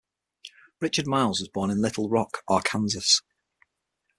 Richard Miles was born in Little Rock, Arkansas.